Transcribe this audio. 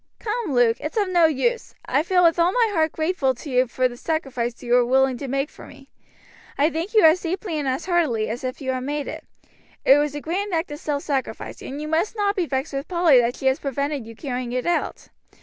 Come, Luke, it's of no use. I feel with all my heart grateful to you for the sacrifice you were willing to make for me. I thank you as deeply and as heartily as if you had made it. It was a grand act of self sacrifice, and you must not be vexed with Polly that she has prevented you carrying it out.